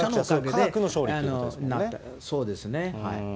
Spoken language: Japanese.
科学の勝利ということですね。